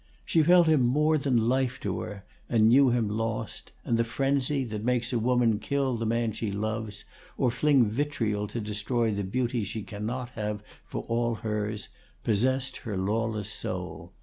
She felt him more than life to her and knew him lost, and the frenzy, that makes a woman kill the man she loves, or fling vitriol to destroy the beauty she cannot have for all hers, possessed her lawless soul.